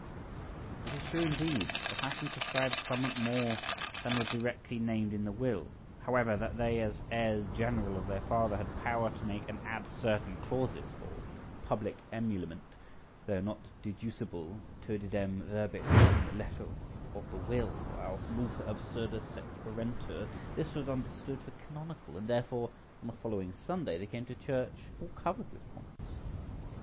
It is true, indeed, the fashion prescribed somewhat more than were directly named in the will; however, that they, as heirs general of their father, had power to make and add certain clauses for public emolument, though not deducible todidem verbis from the letter of the will, or else multa absurda sequerentur. This was understood for canonical, and therefore on the following Sunday they came to church all covered with points.